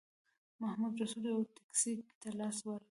محمدرسول یوې ټیکسي ته لاس ورکړ.